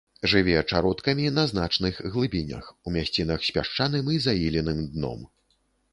Жыве чародкамі на значных глыбінях, у мясцінах з пясчаным і заіленым дном.